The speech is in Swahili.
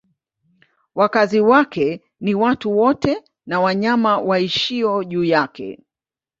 Wakazi wake ni watu wote na wanyama waishio juu yake.